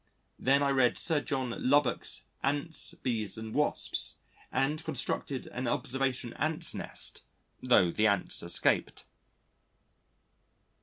Then I read Sir John Lubbock's Ants, Bees and Wasps, and constructed an observation Ants' nest (though the Ants escaped).